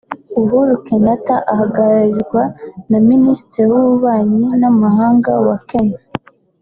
Uhuru Kenyatta ahagararirwa na Minisitiri w’ububanyi n’amahanga wa Kenya